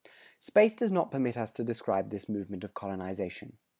"[100:2] Space does not permit us to describe this movement of colonization.